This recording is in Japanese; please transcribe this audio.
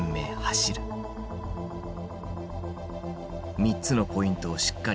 「３つのポイントをしっかりやれ。